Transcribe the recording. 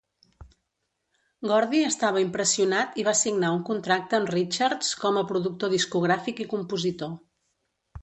Gordy estava impressionat i va signar un contracte amb Richards com a productor discogràfic i compositor.